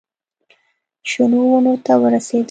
شنو ونو ته ورسېدل.